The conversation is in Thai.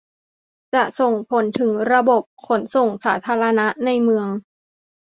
จะส่งผลถึงระบบขนส่งสาธารณะในเมือง